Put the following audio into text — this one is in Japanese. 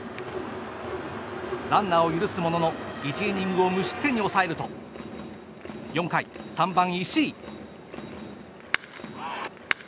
ランナーを許すものの１イニングを無失点に抑えると４回、３番、石井。